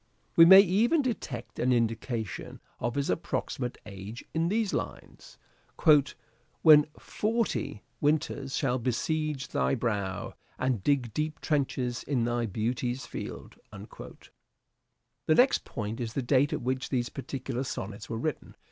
We may even detect an indication of his approximate age in the lines :'' When forty winters shall besiege thy brow, And dig deep trenches in thy beauty's field." The next point is the date at which these particular sonnets were written.